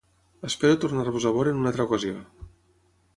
Espero tornar-vos a veure en una altre ocasió.